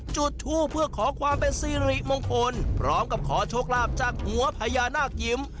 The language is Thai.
จุดทูปเพื่อขอความเป็นสิริมงคลพร้อมกับขอโชคลาภจากหัวพญานาคยิ้ม